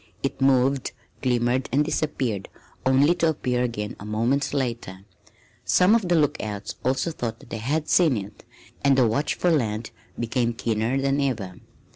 It moved, glimmered, and disappeared, only to appear again a moment later. Some of the lookouts also thought that they had seen it, and the watch for land became keener than ever.